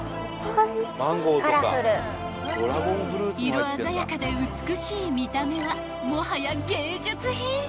［色鮮やかで美しい見た目はもはや芸術品］